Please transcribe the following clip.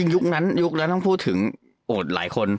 ยุคนั้นยุคนั้นต้องพูดถึงโอดหลายคน